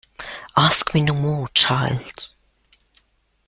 Ask me no more, child!